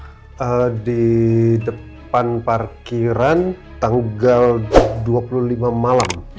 saya di depan parkiran tanggal dua puluh lima malam